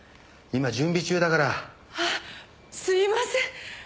今準備中だから。あっすみません！